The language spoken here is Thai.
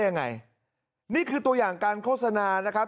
ยังไงนี่คือตัวอย่างการโฆษณานะครับ